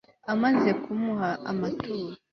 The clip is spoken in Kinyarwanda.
amaze kumuha amaturo